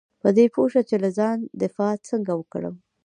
په دې پوه شه چې له ځان دفاع څنګه وکړم .